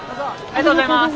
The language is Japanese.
ありがとうございます。